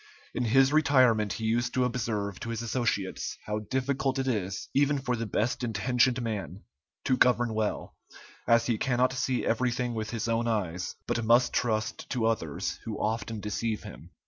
In his retirement he used to observe to his associates how difficult it is, even for the best intentioned man, to govern well, as he cannot see everything with his own eyes, but must trust to others, who often deceive him.